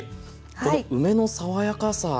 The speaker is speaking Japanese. この梅の爽やかさ